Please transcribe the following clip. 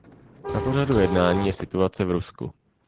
Na pořadu jednání je situace v Rusku.